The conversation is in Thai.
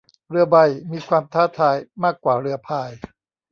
เรือใบมีความท้าทายมากกว่าเรือพาย